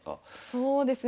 そうですね